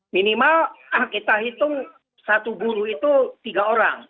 minimal kita hitung satu guru itu tiga orang